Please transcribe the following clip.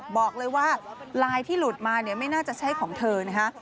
บอกเลยว่าไลน์ที่หลุดมาเนี่ยไม่น่าจะใช่ของเธอนะฮะ